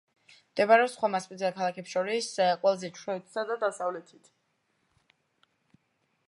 მდებარეობს სხვა მასპინძელ ქალაქებს შორის ყველაზე ჩრდილოეთითა და დასავლეთით.